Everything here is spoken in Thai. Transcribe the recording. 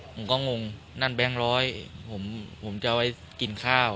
ผมก็งงนั่นแบงค์ร้อยผมจะเอาไว้กินข้าว